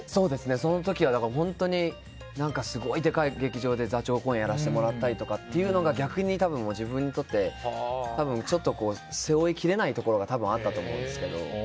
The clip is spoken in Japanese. その時はすごくでかい劇場で座長公演をやらせてもらったりというのが逆に自分にとってちょっと背負いきれないところがあったと思うんですけど。